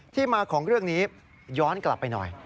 ที่มาของเรื่องนี้ย้อนกลับไปหน่อย